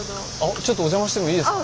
ちょっとお邪魔してもいいですか？